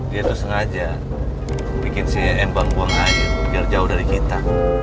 dia tuh sengaja bikin si iem buang buang air biar jauh dari kita